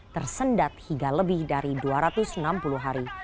tersendat hingga lebih dari dua ratus enam puluh hari